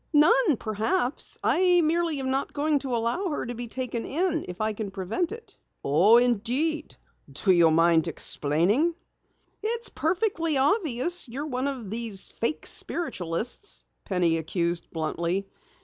"None, perhaps. I merely am not going to allow her to be taken in if I can prevent it!" "Oh, indeed. Do you mind explaining?" "It's perfectly obvious that you're one of these fake spiritualists," Penny accused bluntly.